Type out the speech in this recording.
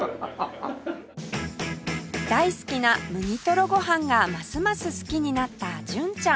大好きな麦とろご飯がますます好きになった純ちゃん